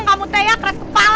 kamu tia keras kepala